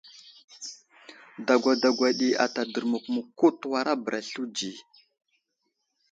Dagwa dagwa ɗi ata dərmuk muku təwara bəra slunzi.